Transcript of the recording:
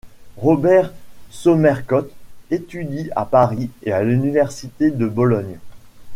Robert Somercotes étudie à Paris et à l'université de Bologne.